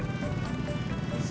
bang masih lama